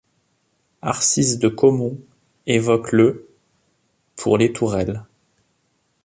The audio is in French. Arcisse de Caumont évoque le pour les tourelles.